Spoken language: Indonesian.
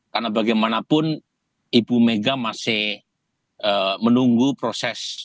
karena bagaimanapun ibu mega masih menunggu proses